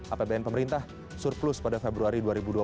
apbn pemerintah surplus pada februari dua ribu dua puluh